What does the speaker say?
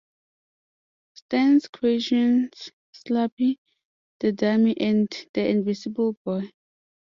Stine's creations, Slappy the Dummy and The Invisible Boy.